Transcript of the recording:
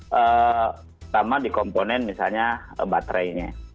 pertama di komponen misalnya baterainya